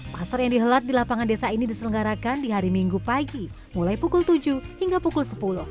pasar yang dihelat di lapangan desa ini diselenggarakan di hari minggu pagi mulai pukul tujuh hingga pukul sepuluh